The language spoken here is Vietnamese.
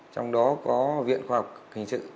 trong đó có viện khoa học hình sự